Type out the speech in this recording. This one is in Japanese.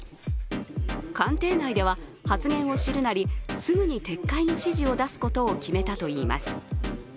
官邸内では発言を知るなりすぐに撤回の指示を出すことを決めたといいます。